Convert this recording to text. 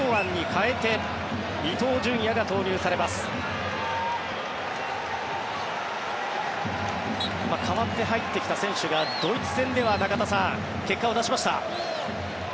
代わって入ってきた選手がドイツ戦では中田さん、結果を出しました。